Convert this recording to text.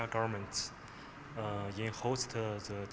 untuk menjalankan pertemuan g dua puluh